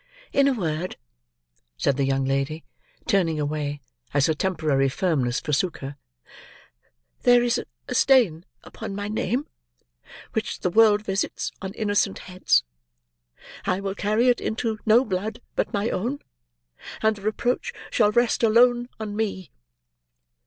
In a word," said the young lady, turning away, as her temporary firmness forsook her, "there is a stain upon my name, which the world visits on innocent heads. I will carry it into no blood but my own; and the reproach shall rest alone on me."